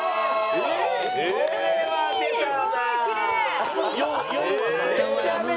えっ！